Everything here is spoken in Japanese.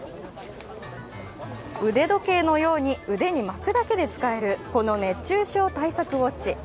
腕時計のように腕に巻くだけで使えるこの熱中症対策ウォッチ。